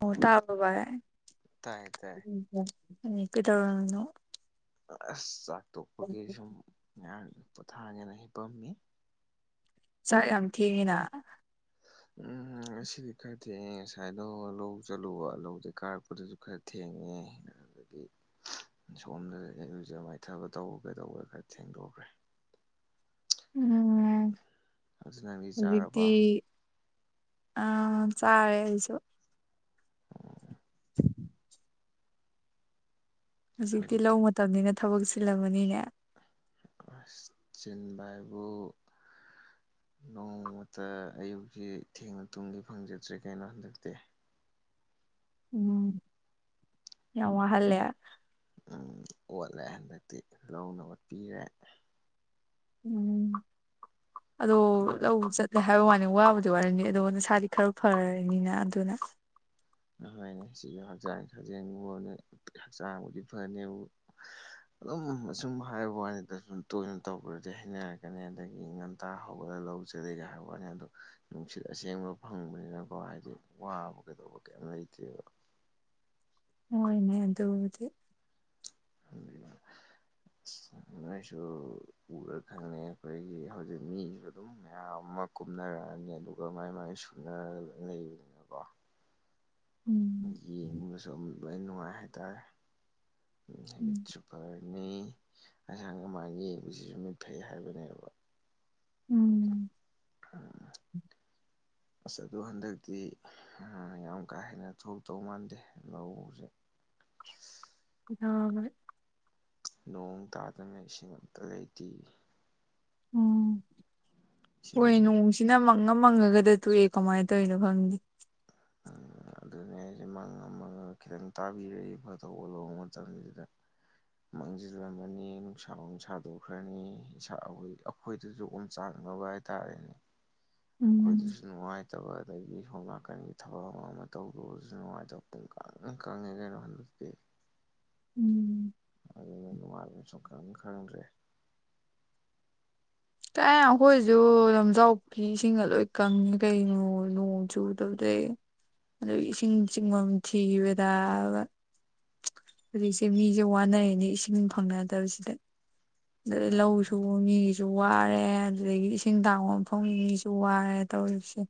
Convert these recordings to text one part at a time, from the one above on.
ꯑꯣ ꯇꯥꯕꯔꯣ ꯚꯥꯏ ꯇꯥꯏ ꯇꯥꯏ ꯀꯩꯗꯧꯔꯝꯃꯤꯅꯣ ꯑꯁ ꯆꯥꯛ ꯇꯣꯛꯄꯒꯤ ꯁꯨꯝ ꯉꯥꯏꯍꯛ ꯄꯣꯊꯥꯅꯦꯅ ꯍꯤꯞꯄꯝꯃꯤ ꯆꯥꯛ ꯌꯥꯝ ꯊꯦꯡꯉꯤꯅ ꯎꯝ ꯉꯁꯤꯗꯤ ꯈꯔ ꯊꯦꯡꯉꯤ ꯉꯁꯥꯏꯗꯣ ꯂꯧ ꯆꯠꯂꯨꯕ ꯂꯧꯕꯨꯛꯇꯩ ꯀꯥꯔꯛꯄꯗꯥꯖꯨ ꯈꯔ ꯊꯦꯡꯉꯦ ꯑꯗꯨꯒꯤ ꯁꯣꯝꯗꯅ ꯏꯔꯨꯖꯥ ꯃꯥꯏꯊꯕ ꯇꯧꯒꯦ ꯇꯧꯕ ꯈꯔ ꯊꯦꯡꯗꯣꯛꯈ꯭ꯔꯦ ꯎꯝ ꯑꯗꯨ ꯅꯪꯗꯤ ꯆꯥꯔꯕ ꯍꯧꯖꯤꯛꯇꯤ ꯑꯥ ꯆꯥꯔꯦ ꯑꯩꯁꯨ ꯎꯝ ꯍꯧꯖꯤꯛꯇꯤ ꯂꯧ ꯃꯇꯝꯅꯤꯅ ꯊꯕꯛ ꯆꯤꯜꯂꯝꯃꯅꯤꯅꯦ ꯑꯁ ꯆꯤꯟꯕ ꯍꯥꯏꯕꯨ ꯅꯣꯡꯃꯇꯥ ꯑꯌꯨꯛꯁꯤ ꯊꯦꯡꯅ ꯇꯨꯝꯒꯦ ꯐꯪꯖꯗ꯭ꯔꯦ ꯀꯩꯅꯣ ꯍꯟꯗꯛꯇꯤ ꯎꯝ ꯌꯥꯝ ꯋꯥꯍꯜꯂꯦ ꯎꯝ ꯑꯣꯠꯂꯦ ꯍꯟꯗꯛꯇꯤ ꯂꯧꯅ ꯑꯣꯠꯄꯤꯔꯦ ꯎꯝ ꯑꯗꯣ ꯍꯣꯏ ꯂꯧ ꯆꯠ ꯂꯦ ꯍꯥꯏꯕ ꯋꯥꯅꯤ ꯋꯥꯕꯗꯤ ꯋꯥꯔꯤꯅꯤ ꯑꯗꯨ ꯅꯁꯥꯗꯤ ꯈꯔ ꯐꯔꯅꯤꯅ ꯑꯗꯨꯅ ꯑꯗꯨꯃꯥꯏꯅ ꯁꯤꯁꯨ ꯍꯛꯆꯥꯡ ꯁꯥꯖꯦꯟꯕꯨ ꯑꯣꯏꯅꯤ ꯍꯛꯆꯥꯡꯕꯨꯗꯤ ꯐꯅꯤꯕꯨ ꯑꯗꯨꯝ ꯑꯁꯨꯝ ꯍꯥꯏꯕ ꯋꯥꯅꯤꯗ ꯁꯨꯝ ꯇꯣꯏꯅ ꯇꯧꯔꯛꯄꯗꯗꯤ ꯍꯩꯅꯔꯛꯀꯅꯤ ꯑꯗꯨꯒꯤ ꯉꯥꯟꯇꯥ ꯍꯧꯒꯠꯂꯒꯥ ꯂꯧ ꯆꯠꯂꯤꯒ ꯍꯥꯏꯕ ꯋꯥꯅꯤ ꯑꯗꯨ ꯅꯨꯡꯁꯤꯠ ꯑꯁꯦꯡꯕ ꯐꯪꯕꯅꯤꯅꯀꯣ ꯍꯥꯏꯗꯤ ꯋꯥꯕ ꯀꯩꯗꯧꯕ ꯀꯩꯝ ꯂꯩꯇꯦꯕ ꯍꯣꯏꯅꯦ ꯑꯗꯨꯕꯨꯗꯤ [unintelligible] ꯑꯁ ꯅꯣꯏꯁꯨ ꯎꯔ ꯈꯪꯅꯤ ꯑꯩꯈꯣꯏꯒꯤ ꯍꯧꯖꯤꯛ ꯃꯤ ꯑꯗꯨꯝ ꯃꯌꯥꯝ ꯑꯃ ꯀꯨꯝꯅꯔꯛꯑꯅꯤ ꯑꯗꯨꯒ ꯃꯥꯏ ꯃꯥꯏ ꯁꯨꯅ ꯂꯩꯕꯅꯤ ꯎꯝ ꯌꯦꯡꯕꯒꯁꯨ ꯑꯗꯨꯝ ꯂꯣꯏꯅ ꯅꯨꯡꯉꯥꯏ ꯍꯥꯏꯇꯥꯔꯦ ꯎꯝ ꯍꯥꯏꯃꯤꯠ ꯐꯔꯅꯤ ꯑꯁꯥꯡ ꯑꯃꯥꯟ ꯌꯦꯡꯕꯁꯤꯁꯨ ꯃꯤꯠ ꯐꯩ ꯍꯥꯏꯕꯅꯦꯕ ꯎꯝ ꯎꯝ ꯑꯁ ꯑꯗꯨ ꯍꯟꯗꯛꯇꯤ ꯌꯥꯝ ꯀꯥ ꯍꯦꯟꯅ ꯊꯣꯛꯇꯧ ꯃꯥꯟꯗꯦ ꯂꯧꯁꯦ ꯀꯩꯗꯧꯕꯒꯤ ꯅꯣꯡ ꯇꯥꯗꯃꯤꯅ ꯏꯁꯤꯡ ꯑꯝꯇꯥ ꯂꯩꯇꯦ ꯎꯝ ꯍꯣꯏ ꯏꯁꯤꯡ ꯅꯣꯡꯁꯤ ꯁꯤꯅ ꯃꯪꯉ ꯃꯪꯉꯒꯗꯥ ꯇꯣꯛꯑꯦ ꯀꯃꯥꯏꯟ ꯇꯧꯔꯤꯅꯣ ꯈꯪꯗꯦ ꯎꯝ ꯑꯗꯨꯅꯦ ꯍꯥꯏꯁꯦ ꯃꯪꯉꯥ ꯃꯪꯉꯥꯒ ꯈꯤꯇꯪ ꯇꯥꯕꯤꯔꯛꯑꯗꯤ ꯐꯗꯧꯕ ꯑꯣꯠ ꯂꯧꯕ ꯃꯇꯝꯁꯤꯗ ꯃꯥꯡꯖꯤꯜꯂꯝꯃꯅꯤ ꯅꯨꯡꯁꯥ ꯑꯃꯨꯛ ꯁꯥꯗꯣꯛꯈ꯭ꯔꯅꯤ ꯏꯁꯥ ꯑꯩꯈꯣꯏꯗꯁꯨ ꯑꯣꯝꯆꯥꯛꯅꯕ ꯍꯥꯏ ꯇꯥꯔꯦꯅꯦ ꯎꯝ ꯑꯩꯈꯣꯏꯗꯁꯨ ꯅꯨꯡꯉꯥꯏꯇꯕ ꯑꯗꯒꯤ ꯁꯣꯝ ꯅꯥꯀꯟꯒꯤ ꯊꯕꯛ ꯑꯃ ꯑꯃ ꯇꯧꯔꯨꯔꯥꯁꯨ ꯅꯨꯡꯉꯥꯏꯇꯕ ꯄꯨꯡ ꯀꯥꯡ ꯍꯦꯛ ꯀꯪꯉꯦ ꯀꯩꯅꯣ ꯍꯟꯗꯛꯇꯤ ꯎꯝ ꯑꯗꯨꯅ ꯅꯨꯡꯉꯥꯏꯕ ꯁꯨꯈꯪ ꯈꯪꯗ꯭ꯔꯦ ꯀꯥꯏ ꯑꯩꯈꯣꯏꯖꯨ ꯂꯝꯖꯥꯎ ꯄꯨꯈꯤ ꯏꯁꯤꯡꯒ ꯂꯣꯏ ꯀꯪꯉꯦ ꯀꯩꯅꯣ ꯅꯣꯡ ꯆꯨꯗꯕꯗꯩ ꯑꯗꯨ ꯏꯁꯤꯡ ꯆꯤꯡꯕꯝ ꯊꯤꯕꯗꯥ ꯍꯧꯖꯤꯛꯁꯦ ꯃꯤꯖꯦ ꯋꯥꯅꯩꯅꯦ ꯏꯁꯤꯡ ꯐꯪꯅꯗꯕꯁꯤꯗ ꯑꯗ ꯎꯝ ꯂꯧꯁꯨꯕ ꯃꯤꯁꯨ ꯋꯥꯔꯦ ꯑꯗꯨꯗꯒꯤ ꯏꯁꯤꯡ ꯇꯥꯡꯕ ꯃꯐꯝꯒꯤꯁꯨ ꯋꯥꯔꯦ ꯇꯧꯔꯤꯁꯤ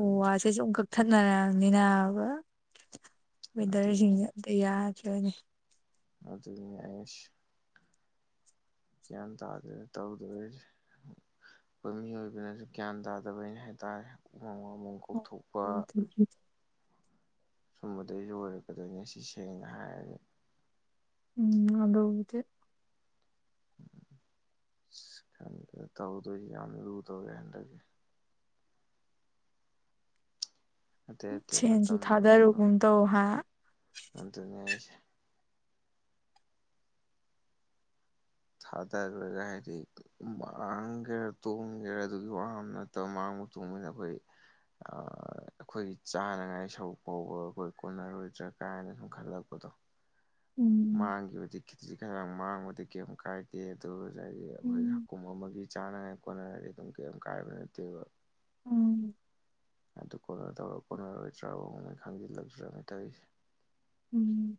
ꯎ ꯋꯥꯁꯦ ꯁꯨꯝ ꯀꯛꯊꯠꯅꯔꯃꯅꯤꯅ ꯕ ꯑꯗꯨꯅꯦ ꯋꯦꯗꯔꯁꯤꯡꯖꯦ ꯑꯃꯇ ꯌꯥꯗꯕꯅꯦ ꯑꯗꯨꯅꯦ ꯑꯩꯁ ꯒ꯭ꯌꯥꯟ ꯇꯥꯗꯦꯗ ꯇꯧꯗꯣꯏꯖꯦ ꯑꯩꯈꯣꯏ ꯃꯤꯑꯣꯏꯕꯅꯁꯨ ꯒ꯭ꯌꯥꯟ ꯇꯥꯗꯕꯅꯩ ꯍꯥꯏꯇꯥꯔꯦ [unintelligible] [unintelligible] ꯁꯨꯝꯕꯗꯩꯖꯨ ꯑꯣꯏꯔꯛꯀꯗꯣꯏꯅꯦ ꯁꯤ ꯁꯦꯡꯅ ꯍꯥꯏꯔꯗꯤ ꯎꯝ ꯑꯗꯨꯕꯨꯗꯤ ꯑꯁ ꯈꯪꯗꯦꯗ ꯇꯧꯗꯣꯏꯖꯦ ꯌꯥꯝ ꯂꯨꯗꯧꯔꯦ ꯍꯟꯗꯛꯦ ꯑꯇꯩ ꯑꯇꯩ ꯁꯦꯟꯖꯨ ꯃꯇꯝꯗ ꯑꯣꯏꯔꯤꯕ ꯊꯥꯗꯔꯨꯒꯨꯝ ꯇꯧ ꯍꯥ ꯑꯗꯨꯅꯦ ꯍꯥꯏꯁꯦ ꯊꯥꯗ ꯔꯨꯔꯒ ꯍꯥꯏꯗꯤ ꯃꯥꯡꯒꯦꯔ ꯇꯣꯡꯒꯦꯔꯥ ꯑꯗꯨꯒꯤ ꯋꯥ ꯅꯠꯇꯕ ꯃꯥꯡꯕ ꯇꯣꯡꯕꯅꯤꯅ ꯑꯩꯈꯣꯏ ꯑ ꯑꯩꯈꯣꯏꯒꯤ ꯆꯥꯅꯉꯥꯏ ꯁꯔꯨꯛ ꯐꯥꯎꯕ ꯑꯩꯈꯣꯏ ꯀꯣꯟꯅꯔꯣꯏꯗ꯭ꯔꯥ ꯀꯥꯏꯅ ꯁꯨꯝ ꯈꯜꯂꯛꯄꯗꯣ ꯎꯝ ꯃꯥꯡꯈꯤꯕꯗꯤ ꯈꯤꯖꯤꯛ ꯈꯔꯥꯛ ꯃꯥꯡꯕꯗꯤ ꯀꯩꯝ ꯀꯥꯏꯗꯦ ꯅꯠꯇꯦ ꯑꯗꯨ ꯉꯁꯥꯏꯗꯤ ꯑꯩꯈꯣꯏ ꯎꯝ ꯍꯀꯨꯝ ꯑꯃꯒꯤ ꯆꯥꯅꯉꯥꯏ ꯈꯣꯠꯅꯉꯥꯏꯗꯤ ꯑꯗꯨꯝ ꯀꯔꯤꯝ ꯀꯥꯏꯕ ꯅꯠꯇꯦꯕ ꯎꯝ ꯑꯗꯨ ꯀꯣꯟꯅ ꯇꯧꯔꯒ ꯀꯣꯟꯅꯔꯣꯏꯗ꯭ꯔꯕꯣ ꯈꯪꯖꯤꯜꯂꯛꯇ꯭ꯔꯅ ꯇꯧꯔꯤꯁꯦ ꯎꯝ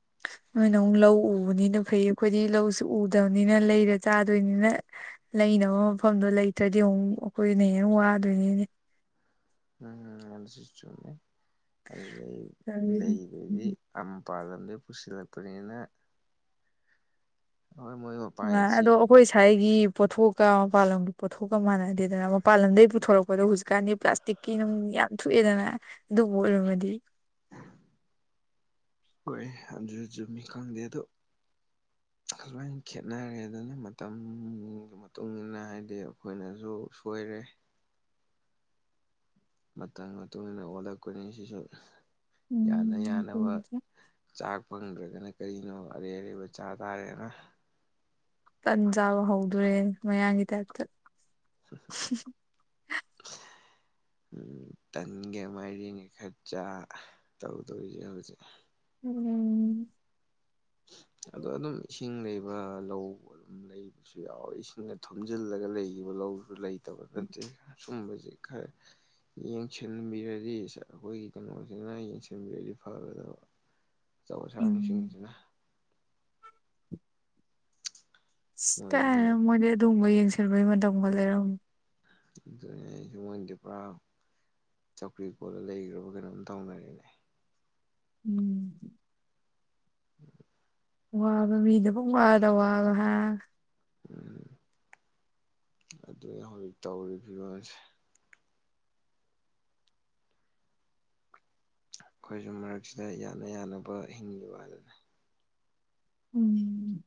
[inaudible] ꯅꯣꯏ ꯅ ꯑꯃꯨꯛ ꯂꯧ ꯎꯕꯅꯤꯅ ꯐꯩ ꯑꯩꯈꯣꯏꯗꯤ ꯂꯧꯁꯨ ꯎꯗꯕꯅꯤꯅ ꯂꯩꯔ ꯆꯥꯗꯣꯏꯅꯤꯅ ꯂꯩꯅꯕ ꯃꯐꯝꯗꯣ ꯂꯩꯇ꯭ꯔꯗꯤ ꯑꯃꯨꯛ ꯑꯩꯈꯣꯏꯅ ꯍꯦꯟꯅ ꯋꯥꯗꯣꯏꯅꯦꯅꯦ ꯎꯝ ꯑꯗꯨꯁꯨ ꯆꯨꯝꯃꯤ ꯑꯗꯩ ꯂꯩꯕꯩꯗꯤ ꯃꯄꯥꯥꯟ ꯂꯝꯗꯩ ꯄꯨꯁꯤꯜꯂꯛꯄꯅꯤꯅ [inaudible] ꯍꯣꯏ ꯃꯣꯏ ꯃꯄꯥꯟꯒꯤ [unintelligible] ꯑꯗꯣ ꯆꯦꯡ ꯑꯩꯈꯣꯏ ꯑꯩꯈꯣꯏ ꯁꯥꯏꯒꯤ ꯄꯣꯠꯊꯣꯛꯀ ꯃꯄꯥꯟ ꯂꯝꯒꯤ ꯄꯣꯠꯊꯣꯛꯀ ꯃꯥꯟꯅꯗꯦꯗꯅ ꯃꯄꯥꯟ ꯂꯝꯗꯒꯤ ꯄꯨꯊꯣꯔꯛꯄꯗꯣ ꯍꯧꯖꯤꯛꯀꯥꯟꯗꯤ ꯄ꯭ꯂꯥꯁ ꯇꯤꯛꯀꯤ ꯅꯨꯠ ꯌꯥꯝ ꯊꯣꯛꯑꯦꯗꯅ ꯑꯗꯨꯕꯨ ꯑꯣꯏꯔꯝꯃꯗꯤ [unintelligible] ꯑꯗꯨꯖꯨ ꯈꯪꯗꯦꯗꯣ ꯑꯁꯨꯃꯥꯏꯅ ꯈꯦꯠꯅꯔꯦ ꯑꯗꯨꯅ ꯃꯇꯝꯒꯤ ꯃꯇꯨꯡ ꯏꯟꯅ ꯍꯥꯏꯗꯤ ꯑꯩꯈꯣꯏꯅꯁꯨ ꯁꯣꯏꯔꯦ ꯃꯇꯝ ꯃꯇꯨꯡ ꯏꯟꯅ ꯑꯣꯜꯂꯛꯄꯅꯤ ꯁꯤꯁꯨ ꯌꯥꯅ ꯌꯥꯅꯕ ꯆꯥꯛ ꯐꯪꯗ꯭ꯔꯒꯅ ꯀꯔꯤꯅꯣ ꯑꯔꯩ ꯑꯔꯩꯕ ꯆꯥ ꯇꯥꯔꯦꯅ ꯇꯟꯆꯥꯕ ꯍꯧꯗ꯭ꯔꯣꯔꯦꯅꯦ ꯃꯌꯥꯡꯒꯤ ꯇꯥꯏꯞꯇ [inaudible] ꯎꯝ ꯇꯟꯒ ꯃꯥꯏꯔꯦꯟꯒ ꯈꯔꯆꯥꯥ ꯇꯧꯗꯧꯔꯤꯖꯦ ꯍꯧꯖꯤꯛ [unintelligible] ꯑꯗ ꯑꯗꯨꯝ ꯏꯁꯤꯡ ꯂꯩꯕ ꯑꯗꯨꯒ ꯂꯧ ꯑꯗꯨꯝ ꯂꯩꯕꯁꯨ ꯌꯥꯎꯋꯤ ꯏꯁꯤꯡꯅ ꯊꯨꯝꯖꯤꯜꯂꯒ ꯂꯩꯈꯤꯕ ꯂꯧꯁꯨ ꯂꯩꯇ ꯇꯕ ꯅꯠꯇꯦ ꯁꯨꯝꯕꯖꯦ ꯈꯔ ꯌꯦꯡꯁꯤꯟꯕꯤꯔꯗꯤ ꯑꯩꯈꯣꯏꯒꯤ ꯀꯩꯅꯣꯁꯤꯅ ꯌꯦꯡꯁꯤꯟꯕꯤꯔꯗꯤ ꯐꯒꯗꯕ ꯑꯆꯧ ꯑꯁꯥꯡ ꯁꯤꯡꯁꯤꯅ ꯑꯁ ꯃꯣꯏꯁꯤꯅ ꯀꯥꯏꯗꯩ ꯃꯣꯏꯗꯤ ꯑꯗꯨꯒꯨꯝꯕ ꯌꯦꯡꯁꯤꯟꯕꯒꯤ ꯃꯇꯝꯒ ꯂꯩꯔꯝꯃꯣꯏ [unintelligible] ꯆꯧꯀ꯭ꯔꯤ ꯀꯣꯜꯂ ꯂꯩꯈ꯭ꯔꯕ ꯀꯩꯅꯣꯝ ꯇꯧꯅꯔꯤꯅꯦ ꯎꯝ [inaudible] ꯋꯥꯕ ꯃꯤꯗ ꯄꯨꯡ ꯋꯥꯗ ꯋꯥꯕ ꯍꯥꯏ ꯎꯝ ꯑꯗꯨꯅꯤ ꯍꯧꯖꯤꯛ ꯇꯧꯔꯤ ꯐꯤꯕꯝꯁꯦ ꯑꯩꯈꯣꯏꯁꯨ ꯃꯔꯛꯁꯤꯗ ꯌꯥꯅ ꯌꯥꯅꯕ ꯍꯤꯡꯂꯤꯕ ꯍꯥꯏꯗꯨꯅꯤ ꯎꯝ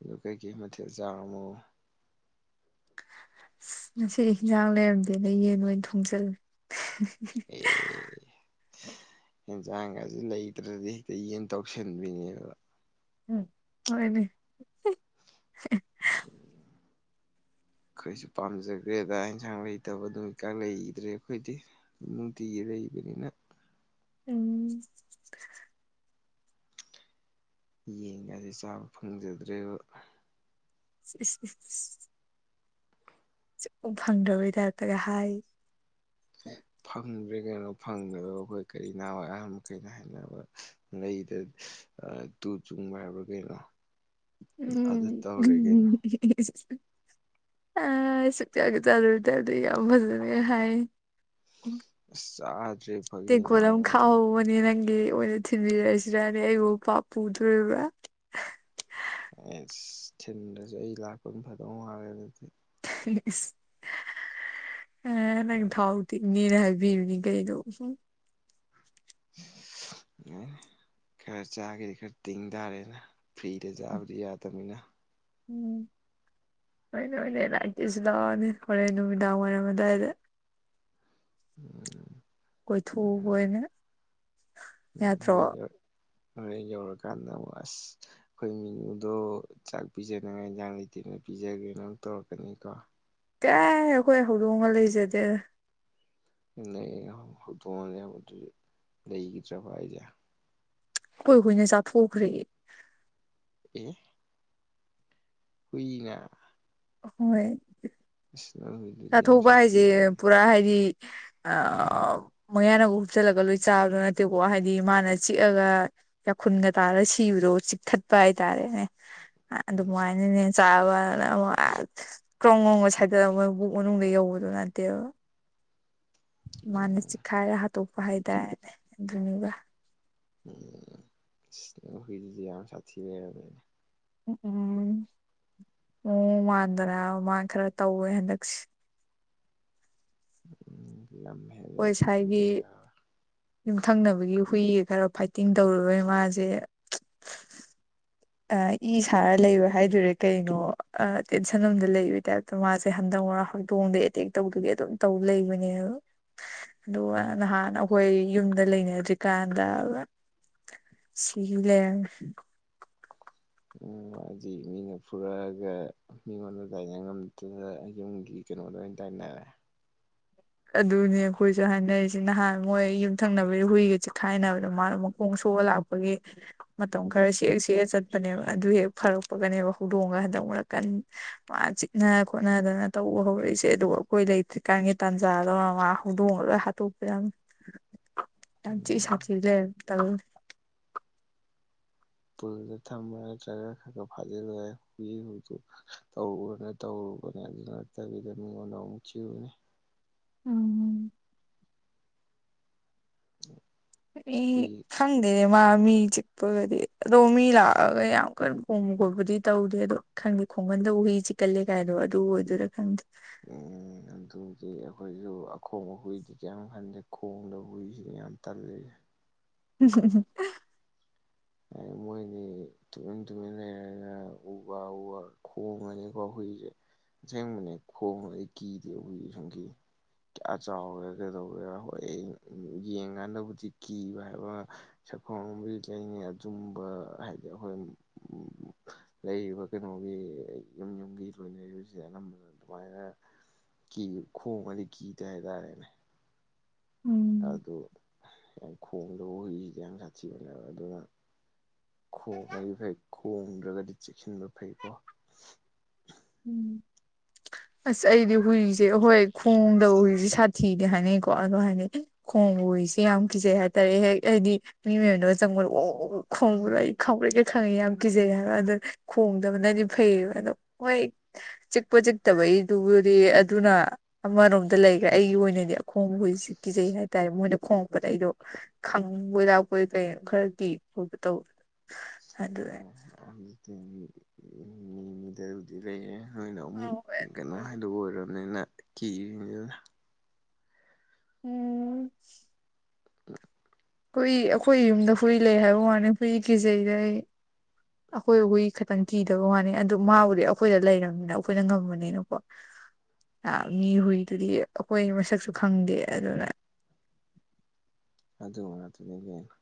ꯑꯗꯨ ꯀꯩꯀꯩ ꯃꯊꯦꯜ ꯆꯥꯔꯃꯣ ꯑꯁ ꯉꯁꯤꯗꯤ ꯍꯤꯟꯖꯥꯡ ꯂꯩꯔꯝꯗꯦꯅ ꯌꯦꯟ ꯑꯣꯏ ꯊꯣꯡꯖꯜꯂ‌ꯦ ꯑꯦ ꯌꯦꯟꯖꯥꯡꯒꯁꯤ ꯂꯩꯇ꯭ꯔꯗꯤ ꯍꯦꯛꯇ ꯌꯦꯟ ꯇꯧꯁꯤꯟꯕꯤꯅꯦꯕ ꯎꯝ ꯍ‌ꯣꯏꯅꯦ [inaudible] ꯑꯩꯈꯣꯏꯁꯨ ꯄꯥꯝꯖꯈ꯭ꯔꯦꯗ ꯌꯦꯟꯁꯥꯡ ꯂꯩꯇꯕꯗꯨ ꯍꯧꯀꯥꯟ ꯂꯩꯈꯤꯗ꯭ꯔꯦ ꯑꯩꯈꯣꯏꯗꯤ ꯅꯨꯡꯇꯤꯒꯤ ꯂꯩꯕꯅꯤꯅ ꯎꯝ ꯌꯦꯟ ꯉꯁꯤ ꯆꯥꯕ ꯐꯪꯖꯗ꯭ꯔꯦꯕ ꯏꯁ [unintelligible] [unintelligible] ꯐꯪꯗ꯭ꯔꯕꯩ ꯇꯥꯏꯞꯇꯒ ꯍꯥꯏ ꯐꯪꯗ꯭ꯔꯦ ꯀꯩꯅꯣ ꯐꯪꯗꯕ ꯑꯩꯈꯣꯏ ꯀꯔꯤ ꯅꯍꯥꯟꯋꯥꯏ ꯑꯍꯥꯟ ꯃꯈꯩꯅ ꯍꯥꯏꯅꯕ ꯃꯩꯗ ꯇꯨ ꯆꯨꯡꯕ ꯍꯥꯏꯕ꯭ꯔꯥ ꯀꯩꯅꯣ ꯑꯗꯨ ꯎꯝ ꯇꯧꯔꯦ ꯀꯩꯅꯣ ꯎꯝ [unintelligible] ꯁꯨꯛꯆꯠꯁꯨ ꯆꯥꯠꯂꯨꯗꯞꯗ ꯌꯥꯝ ꯐꯖꯅꯒ ꯍꯥꯏ ꯑꯁ ꯆꯥ ꯇ‌ꯦꯡꯀ‌ꯣꯠ ꯑꯃ ꯈꯥꯛꯍꯧꯕꯅꯤ ꯅꯪꯒꯤ ꯑꯣꯏꯅ ꯊꯤꯟꯕꯤꯔꯛꯑꯁꯤꯔꯅꯦ ꯑꯩꯕꯨ ꯄꯥꯞ ꯄꯨꯗꯣꯔꯤꯕ꯭ꯔꯥ ꯑꯩꯁ ꯊꯤꯟꯗꯔꯁꯨ ꯑꯩ ꯂꯥꯛꯄꯅ ꯐꯗꯧ ꯃꯥꯜꯂ‌‌ꯦ ꯑꯗꯨꯗꯤ ꯏꯁ ꯑꯦ ꯅꯪ ꯊꯥꯎ ꯇꯤꯡꯅꯤꯅ ꯍꯥꯏ ꯕꯤꯕꯅꯤ ꯀꯩꯅ‌ꯣ ꯈꯔ ꯆꯥꯒ‌ꯦꯗꯤ ꯈꯔ ꯇꯤꯡ ꯇꯥꯔꯦꯅ ꯐ꯭ꯔꯤꯗ ꯆꯥꯕꯗꯤ ꯌꯥꯗꯕꯅꯤꯅ ꯎꯝ ꯍ‌ꯣꯔ‌ꯦꯟ ꯑꯣꯏꯅ ꯂꯥꯛꯀ‌ꯦꯁꯨ ꯂꯥꯛꯑꯣꯅ‌ꯦ ꯍꯣꯔꯦꯟ ꯅꯨꯃꯤꯗꯥꯡ ꯋꯥꯏꯔꯝ ꯑꯗꯥꯏꯗ ꯎꯝ ꯀꯣꯏꯊꯣꯛꯎꯕ ꯑꯣꯏꯅ ꯌꯥꯠꯇ꯭ꯔꯣ ꯍꯧꯔ‌ꯦꯟ ꯌꯧꯔꯀꯥꯟꯗ ꯑꯃꯨꯛ ꯑꯁ ꯑꯩꯈꯣꯏ ꯃꯦꯅꯨꯗꯣ ꯆꯥꯛ ꯄꯤꯖꯅꯤꯉꯥꯏ ꯏꯟꯖꯥꯡ ꯂꯩꯇꯦꯅ ꯄꯤꯖꯒ꯭ꯔꯦꯅ ꯑꯃꯨꯛ ꯇꯧꯔꯛꯀꯅꯤ ꯀꯣ ꯀꯥꯏ ꯑꯩꯈꯣꯏ ꯍꯧꯗꯣꯡꯒ ꯂꯩꯖꯗꯦ ꯍꯟꯅ ꯍꯧꯗꯣꯡ ꯑꯝ ꯂꯩꯍꯧꯕꯗꯨꯖꯨ ꯂꯩꯈꯤꯗ꯭ꯔꯕ‌ꯣ ꯍꯥꯏꯖ‌ꯦ ꯑꯈ‌ꯣꯏ ꯍꯨꯏꯅ ꯆꯥꯊꯣꯛꯈ꯭ꯔꯦ ꯑꯦ ꯍꯨꯏꯅ ꯍꯣꯏ ꯏꯁ ꯅꯪ ꯍꯨꯏꯗꯨꯗꯤ ꯌꯥꯝ ꯆꯥꯊꯣꯛꯄ ꯁꯥꯊꯤꯑꯦ ꯍꯥꯏꯖ‌ꯦ ꯄꯨꯔꯥ ꯍꯥꯏꯗꯤ ꯑꯥꯎ ꯃꯌꯥꯅꯒ ꯍꯨꯞꯆꯜꯂꯒ ꯂꯣꯏ ꯆꯥꯕꯗꯣ ꯅꯠꯇꯦꯀꯣ ꯍꯥꯏꯗꯤ ꯃꯥꯅ ꯆꯤꯛꯑꯒ ꯌꯥꯈꯨꯟꯒ ꯇꯥꯔꯒ ꯁꯤꯕꯗꯣ ꯆꯤꯛꯊꯠꯄ ꯍꯥꯏꯇꯥꯔꯦꯅꯦ ꯑꯗꯨꯃꯥꯏꯅꯅꯦ ꯆꯥꯕꯅ ꯑꯃ ꯀ꯭ꯔꯣꯡ ꯀ꯭ꯔ‌ꯣꯡꯒ ꯁꯥꯏꯗꯠꯂ ꯃꯕꯨꯛ ꯃꯅꯨꯡꯗ ꯌꯧꯕꯗꯨ ꯅꯠꯇꯦꯕ ꯃꯥꯅ ꯎꯝ ꯆꯤꯛꯈꯥꯏꯔ ꯍꯥꯠꯇ‌ꯣꯠꯄ ꯍꯥꯏꯇꯥꯔ‌ꯦꯅꯦ ꯑꯗꯨꯅꯤꯗ ꯎꯝ ꯑꯁ ꯅ‌ꯣꯏ ꯍꯨꯏꯗꯨꯗꯤ ꯌꯥꯝ ꯁꯥꯊꯤ ꯂꯩꯔꯝꯃ‌ꯦꯅ‌ꯦ ꯎꯝ ꯎꯝ ꯎꯝ ꯃꯋ‌ꯣꯡ ꯃꯥꯟꯗꯅ ꯃꯥ ꯈꯔ ꯇꯧꯋꯦ ꯍꯟꯗꯛꯁꯦ ꯎꯝ ꯍꯦꯜꯂꯦ ꯈ‌ꯣꯏ ꯁꯥꯏꯒꯤ ꯐꯨꯗ ꯌꯥꯔꯣꯏ ꯌꯨꯝꯊꯪꯅꯕꯒꯤ ꯍꯨꯏꯒ ꯈꯔ ꯐꯥꯏꯇꯤꯡ ꯇꯧꯔꯨꯕꯩ ꯃꯥꯁꯦ ꯑ ꯏ ꯁꯥꯔ ꯂꯩꯕ ꯍꯥꯏꯗꯨꯏꯔ ꯀꯩꯅꯣ ꯑ ꯇꯦꯟꯁꯟ ꯑꯝꯗ ꯂꯩꯕ ꯇꯥꯏꯞ ꯇꯨ ꯃꯥꯁꯦ ꯍꯟꯗꯛ ꯃꯔꯛ ꯍꯧꯗꯣꯡꯗ ꯑꯦꯇꯦꯛ ꯇꯧꯗꯨꯒꯤ ꯑꯗꯨꯝ ꯇꯧ ꯂꯩꯕꯅꯦꯕ ꯑꯗꯨꯒ ꯉꯍꯥꯟ ꯑꯈꯣꯏ ꯌꯨꯝꯗ ꯂꯩꯅꯗ꯭ꯔꯤꯀꯥꯟꯗꯥꯕ ꯁꯤꯒꯤ ꯂ‌ꯩꯔꯝꯃ‌ꯦ ꯑꯎꯝ ꯍꯥꯏꯗꯤ ꯃꯤꯅ ꯐꯨꯔꯛꯑꯒ ꯃꯤꯉꯣꯟꯗ ꯇꯥꯏꯅ ꯉꯝ ꯑꯗꯨꯗ ꯌꯨꯝꯒꯤ ꯀꯩꯅꯣꯗ ꯑꯣꯏꯅ ꯇꯥꯏꯅꯔꯦ ꯑꯗꯨꯅꯦ ꯑꯈꯣꯏꯁꯨ ꯍꯥꯏꯅꯔꯤꯁ‌ꯦ ꯅꯍꯥꯟ ꯃꯣꯏ ꯌꯨꯝꯊꯪꯅꯕꯒꯤ ꯍꯨꯏꯒ ꯆꯤꯛꯈꯥꯏꯅꯕꯗ ꯃꯥꯅ ꯃꯈꯣꯡ ꯁꯣꯛꯑꯒ ꯂꯥꯛꯄ ꯄꯒꯤ ꯃꯇꯝ ꯈꯔ ꯁꯦꯛ ꯁꯦꯛꯑ ꯆꯠꯄꯅꯦꯕ ꯑꯗꯨ ꯍꯦꯛ ꯐꯔꯛꯄꯒꯅꯦꯕ ꯍꯧꯗꯣꯡꯉꯒ ꯍꯟꯗꯛ ꯃꯔꯛ ꯀꯟ ꯄꯥ ꯆꯤꯛꯅ ꯈꯣꯠꯅꯗꯅ ꯇꯧꯕ ꯍꯧꯔꯛꯏꯁꯦ ꯑꯗꯨꯒ ꯑꯩꯈꯣꯏ ꯂꯩꯇ꯭ꯔꯤꯀꯥꯟꯒꯤ ꯇꯥꯟ ꯖꯥ ꯂꯧꯔ ꯃꯥ ꯍꯧꯗꯣꯡꯒ ꯂꯣꯏ ꯍꯥꯠꯇꯣꯛꯄꯤꯔꯝꯃ‌ꯤ ꯌꯥꯝ ꯊꯤ ꯎꯝ ꯁꯥꯊꯤ ꯂꯩꯔꯝꯃ‌‌ꯦ ꯇꯜꯂꯤ ꯄꯨꯜꯂ ꯊꯝꯕ ꯅꯠꯇ꯭ꯔꯥꯒ ꯈꯥ ꯈꯥ ꯐꯥꯖꯤꯜꯂꯨꯍꯦ [unintelligible] ꯇꯧꯔꯕꯅꯦ ꯇꯧꯔꯨꯕꯅꯦ ꯑꯗꯨ ꯅꯠꯇꯕꯤꯗ ꯃꯤꯉꯣꯟꯗ ꯑꯃꯨꯛ ꯆꯤꯛꯎꯅꯤ ꯎꯝ [unintelligible] ꯑꯩ ꯍꯨꯏ ꯈꯪꯗꯦꯅꯦ ꯃꯥ ꯃꯤ ꯆꯤꯛꯄꯒꯗꯤ ꯑꯗꯣ ꯃꯤ ꯂꯥꯛꯑꯒ ꯌꯥꯝ ꯀꯟꯅ ꯈꯣꯡꯕ ꯈꯣꯠꯄꯗꯤ ꯇꯧꯗꯦ ꯑꯗꯣ ꯈꯪꯗꯦ ꯈꯣꯡꯒꯟꯗ ꯍꯨꯏ ꯆꯤꯛꯀꯜꯂꯦ ꯀꯥꯏꯗꯣ ꯑꯗꯨ ꯑꯣꯏꯗ‌‌ꯣꯏꯔ ꯈꯪꯗꯦ ꯎꯝ ꯑꯗꯨꯕꯨꯗꯤ ꯑꯈꯣꯏꯖꯨ ꯑꯈꯣꯡꯕ ꯍꯨꯏꯗꯤ ꯀꯩꯏꯝ ꯈꯟꯗꯦ ꯈꯣꯡꯗꯕ ꯍꯨꯏꯖꯤꯅꯤ ꯌꯥꯝ ꯇꯜꯂꯤꯖꯦ ꯎꯝ ꯍꯨꯝ ꯍꯨꯝ ꯃꯣꯏꯗꯤ ꯇꯨꯃꯤꯟ ꯇꯨꯃꯤꯟ ꯂꯩꯔꯒ ꯎ ꯋꯥ ꯎ ꯋꯥ ꯈꯣꯡꯉꯅꯤꯀꯣ ꯍꯨꯏꯖꯦ ꯑꯁꯦꯡꯕꯅꯦ ꯈꯣꯡꯕ ꯑꯩ ꯀꯤꯗ‌‌ꯦꯕ ꯍꯨꯏꯖꯦ ꯁꯨꯡꯀꯤ ꯀꯌꯥ ꯆꯥꯎꯒ‌ꯦꯔ ꯀꯩꯗꯧꯒ‌ꯦꯔ ꯍꯣꯏ ꯑꯩ ꯌꯦꯡꯀꯥꯟꯗꯕꯨꯗꯤ ꯀꯤꯕ ꯍꯥꯏꯕ ꯁꯛꯐꯝ ꯑꯃꯥꯕꯨꯗꯤ ꯂꯩꯅꯤ ꯑꯗꯨꯝ ꯍꯥꯏꯗꯤ ꯑꯩꯈꯣꯏ ꯎꯝ ꯂꯩꯔꯤꯕ ꯀꯩꯅꯣꯒꯤ ꯌꯨꯝ ꯌꯨꯝꯒꯤ ꯂꯣꯏꯅꯔꯤꯕꯁꯤꯗ ꯑꯅꯝꯕꯗ ꯑꯗꯨꯃꯥꯏꯅ ꯀꯤ ꯈꯣꯡꯉꯗꯤ ꯀꯤꯗꯦ ꯍꯥꯏꯇꯥꯔꯦꯅꯦ ꯎꯝ ꯑꯗꯨ ꯌꯥꯝ ꯈꯣꯡꯗꯕ ꯍꯨꯏꯁꯤꯗꯤ ꯌꯥꯝ ꯁꯥꯊꯤꯕꯅꯦꯕ ꯑꯗꯨꯅ ꯈꯣꯡꯉꯗꯤ ꯐꯩ ꯈꯣꯡꯗ꯭ꯔꯒꯗꯤ ꯆꯦꯛꯁꯤꯟꯕ ꯐꯩꯀꯣ ꯎꯝ ꯑꯁ ꯑꯩꯗꯤ ꯍꯨꯏꯖꯦ ꯍꯣꯏ ꯈꯣꯡꯗꯕ ꯍꯨꯏꯖꯦ ꯁꯥꯠ ꯊꯤꯗꯤ ꯍꯥꯏꯅꯩꯀꯣ ꯑꯗꯣ ꯍꯥꯏꯗꯤ ꯈꯣꯡꯕ ꯍꯨꯏꯖꯦ ꯌꯥꯝ ꯀꯤꯖꯩ ꯍꯥꯏꯇꯥꯔꯦ ꯍꯦꯛ ꯑꯩꯗꯤ ꯃꯤ ꯃꯌꯨꯝꯗꯒ ꯆꯪꯕꯗ ꯋꯧ ꯋꯧ ꯈꯣꯡꯕꯗꯣ ꯑꯩ ꯈꯪꯄ꯭ꯔꯦꯛꯀ ꯈꯪꯉꯤ ꯌꯥꯝ ꯀꯤꯖꯩ ꯍꯥꯏꯕ ꯑꯗꯨ ꯈꯣꯡꯗꯕꯅꯗꯤ ꯐꯩꯌꯦꯕ ꯑꯗꯣ ꯍꯣꯏ ꯆꯤꯛꯄ ꯆꯤꯛꯇꯕꯩꯗꯨꯕꯨꯗꯤ ꯑꯗꯨꯅ ꯑꯃꯔꯣꯝꯗ ꯂꯩꯈ꯭ꯔꯦ ꯑꯩꯒꯤ ꯑꯣꯏꯅꯗꯤ ꯑꯈꯣꯡꯕ ꯍꯨꯏꯖꯤ ꯀꯤꯖꯩ ꯍꯥꯏꯇꯥꯔꯦ ꯃꯣꯏꯅ ꯈꯣꯡꯉꯛꯄꯗ ꯑꯩꯗꯣ ꯈꯪꯕꯣꯏ ꯂꯥꯛꯄꯣꯏ ꯀꯩꯅꯣ ꯈꯔ ꯀꯤ ꯈꯣꯠꯄ ꯇꯧ [unintelligible] ꯃꯤꯃꯤꯗ ꯕꯨꯗꯤ ꯂꯩꯔ‌ꯦ ꯅꯣꯏꯅ ꯑꯃꯨꯛ ꯀꯩꯅꯣ ꯍꯥꯏꯗꯨ ꯑꯣꯏꯔꯕꯅꯤꯅ ꯀꯤꯔꯤꯅꯤꯅ ꯎꯝ [unintelligible] ꯍꯨꯏ ꯑꯈꯣꯏ ꯌꯨꯝꯗ ꯍꯨꯏ ꯂꯩ ꯍꯥꯏꯕ ꯋꯥꯅꯤ ꯍꯨꯏ ꯀꯤꯖꯩꯗ ꯑꯩ ꯑꯈꯣꯏ ꯍꯨꯏ ꯈꯤꯇꯪ ꯀꯤꯗꯕ ꯋꯥꯅꯤ ꯑꯗꯨ ꯃꯥꯕꯨꯗꯤ ꯑꯩꯈꯣꯏꯗ ꯂꯩꯔꯕꯝꯅꯤꯅ ꯑꯩꯈꯣꯏꯅ ꯉꯝꯃꯅꯤꯅꯀꯣ [inaudible] ꯃꯤ ꯍꯨꯏꯗꯨꯗꯤ ꯑꯈꯣꯏ ꯃꯁꯛꯁꯨ ꯈꯪꯗꯦ ꯑꯗꯨꯅ ꯑꯗꯨꯒꯨꯝꯕ ꯉꯥꯛꯇꯅꯤ ꯏꯕꯦꯝꯃ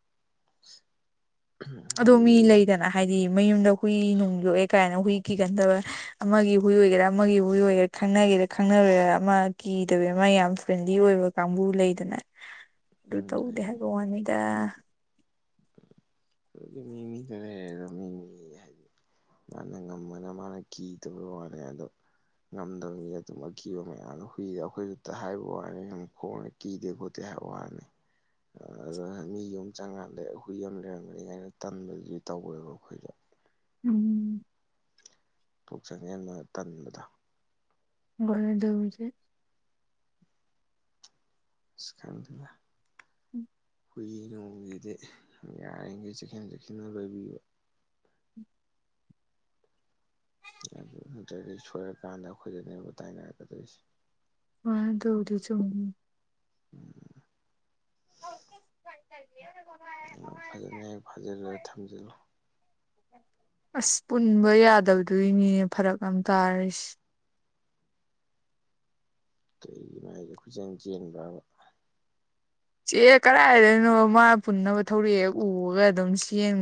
ꯑꯗꯣ ꯃꯤ ꯂꯩꯗꯅ ꯍꯥꯏꯗꯤ ꯃꯌꯨꯝꯗ ꯍꯨꯏ ꯅꯨꯡ ꯌꯣꯛꯑꯦ ꯀꯥꯏꯅ ꯍꯨꯏ ꯀꯤꯒꯟꯗꯕ ꯑꯃꯒꯤ ꯍꯨꯏ ꯑꯣꯏꯒꯦꯔꯥ ꯑꯃꯒꯤ ꯍꯨꯏ ꯑꯣꯏꯒꯦꯔꯥ ꯈꯪꯅꯒꯦꯔꯥ ꯈꯪꯅꯔꯣꯏꯔꯥ ꯑꯃ ꯀꯤꯗꯕꯦ ꯑꯃ ꯌꯥꯝ ꯐ꯭ꯔꯦꯟꯂꯤ ꯑꯣꯏꯕ ꯀꯥꯡꯕꯨ ꯂꯩꯗꯅ [inaudible] ꯑꯗꯨ ꯇꯧꯗꯦ ꯍꯥꯏꯕ ꯋꯥꯅꯤꯗ ꯃꯤꯃꯤꯗꯦꯃꯤ ꯍꯥꯏ ꯃꯥꯅ ꯉꯃꯅ ꯃꯥꯅ ꯀꯤꯗꯒꯤ ꯋꯥꯅꯦ ꯑꯗꯣ ꯉꯝꯗꯕꯒꯤ ꯑꯗꯨꯝ ꯑꯀꯤꯕ ꯃꯌꯥꯝꯗ ꯍꯨꯏꯔ ꯑꯩꯈꯣꯏꯁꯨꯗ ꯍꯥꯏꯕ ꯋꯥꯅꯤ ꯑꯗꯨ ꯈꯣꯡꯉꯦ ꯀꯤꯗꯦ ꯈꯣꯠꯇꯦ ꯍꯥꯏꯕ ꯋꯥꯅꯤ ꯑ ꯃꯤ ꯌꯨꯝ ꯆꯪꯉꯥꯟꯗ ꯑꯩꯈꯏ ꯌꯥꯝ ꯂꯩꯔꯝꯒꯅꯤ ꯀꯥꯏꯅ ꯇꯟꯕꯗꯨꯗꯤ ꯇꯧꯋꯦꯕ ꯑꯩꯈꯣꯏꯗꯣ ꯎꯝ ꯊꯣꯛ ꯆꯪꯁꯤꯟꯕ ꯇꯟꯕꯗ ꯃꯔꯗꯁꯦ ꯑꯁ ꯈꫭꯗꯦꯗ [inaudible] ꯍꯨꯏ ꯅꯣꯡꯒꯤꯗꯤ ꯌꯥꯔꯤꯈꯩ ꯆꯦꯛꯁꯤꯟ ꯆꯦꯛꯁꯤꯟꯅ ꯂꯣꯏꯕꯤꯕ ꯑꯗꯨ ꯅꯠꯇ꯭ꯔꯗꯒꯤ ꯁꯣꯏꯔꯀꯥꯟꯗ ꯑꯩꯈꯣꯏꯗꯅꯦꯕꯨ ꯇꯥꯏꯅꯔꯛꯀꯗꯣꯏꯁꯦ ꯑ ꯇꯧꯔꯤ ꯆ [inaudible] ꯐꯖꯅ ꯍꯦꯛ ꯐꯥꯖꯤꯜꯂꯒ ꯊꯝꯖꯤꯜꯂꯨ ꯑꯁ ꯄꯨꯟꯕ ꯌꯥꯗꯕꯗꯣꯏꯅꯦ ꯐꯔꯛ ꯌꯥꯝ ꯇꯥꯔꯤꯁ ꯀꯩꯒꯤꯅꯣ ꯍꯥꯏꯁꯦ ꯈꯣꯏꯆꯦꯜ ꯆꯦꯟꯕ꯭ꯔꯕ ꯆꯦ ꯀꯗꯥꯥꯏꯏꯗꯅꯣ ꯃꯥ ꯄꯨꯟꯅꯕ ꯊꯧꯔꯤꯦꯛ ꯍꯦꯛ ꯎꯔꯒ ꯑꯗꯨꯝ ꯁꯦꯡꯕ